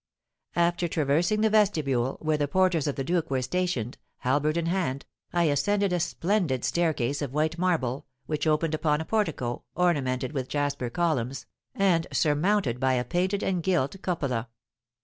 After traversing the vestibule, where the porters of the duke were stationed, halberd in hand, I ascended a splendid staircase of white marble, which opened upon a portico, ornamented with jasper columns, and surmounted by a painted and gilt cupola.